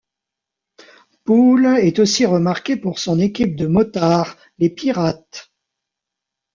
Poole est aussi remarquée pour son équipe de motards, les Pirates.